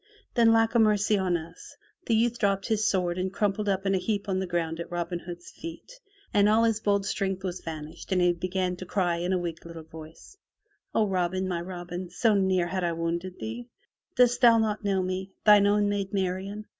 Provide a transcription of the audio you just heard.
Then Lauk a mercy on us! the youth dropped his sword and crumpled up in a heap on the ground at Robin Hood's feet, and all his bold strength was vanished and he began to cry in a weak, little voice: "O Robin, my Robin, so near had I wounded thee. Dost thou not know me — thine own Maid Marian?